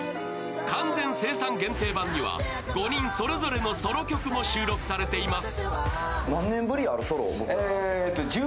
完全生産限定盤には５人それぞれのソロ曲も収録されています。